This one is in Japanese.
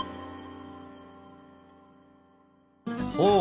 ほう。